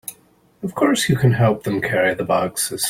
Of course, you can help them carry the boxes.